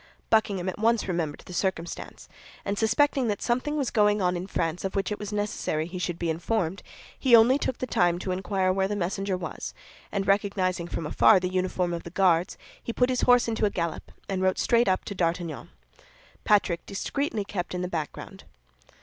Buckingham at once remembered the circumstance, and suspecting that something was going on in France of which it was necessary he should be informed, he only took the time to inquire where the messenger was, and recognizing from afar the uniform of the Guards, he put his horse into a gallop, and rode straight up to D'Artagnan. Patrick discreetly kept in the background.